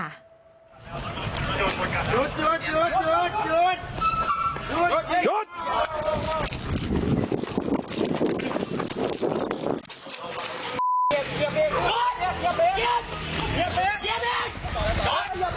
หยุดหยุดหยุดหยุด